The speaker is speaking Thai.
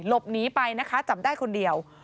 หลบหนีไปนะคะจับได้คนเดียว